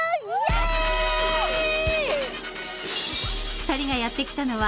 ２人がやってきたのは